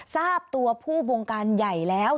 ทราบตัวผู้บงการใหญ่แล้ว